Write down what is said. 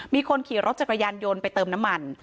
มีคนขี่รถจากกระยันโยนไปเติมน้ำมัน